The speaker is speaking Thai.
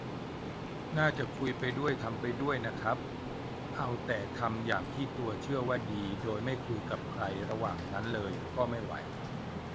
น่าจะคุยไปด้วยทำไปด้วยน่ะครับ เอาแต่ทำอย่างที่ตัวเชื่อว่าดีโดยไม่คุยกับใครระหว่างนั้นเลย ก็ไม่ไหว